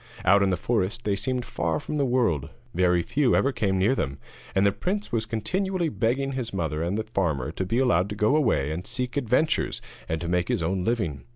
Out in the forest they seemed far from the world; very few ever came near them, and the prince was continually begging his mother and the farmer to be allowed to go away and seek adventures and to make his own living.